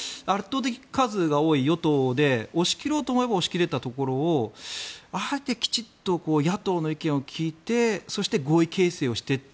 圧倒的数が多い与党で押し切ろうと思えば押し切れたところをあえてきちんと野党の意見を聞いてそして合意形成をしていった。